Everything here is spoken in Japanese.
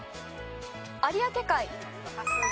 有明海。